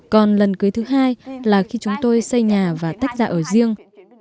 còn lần cưới thứ hai là khi chúng tôi xây nhà và tách ra ở riêng